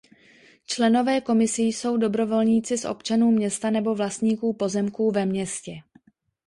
Členové komisí jsou dobrovolníci z občanů města nebo vlastníků pozemků ve městě.